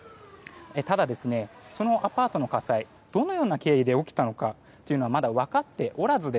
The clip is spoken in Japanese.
ただ、そのアパートの火災はどのような経緯で起きたのかというのはまだ分かっておらず